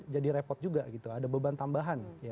jadi repot juga ada beban tambahan